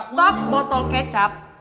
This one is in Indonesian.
stop botol kecap